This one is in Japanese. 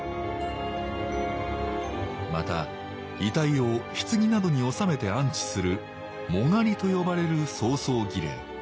また遺体を棺などに納めて安置する「殯」と呼ばれる葬送儀礼。